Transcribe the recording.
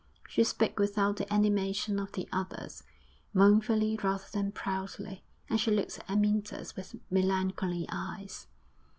She spoke without the animation of the others, mournfully rather than proudly, and she looked at Amyntas with melancholy eyes.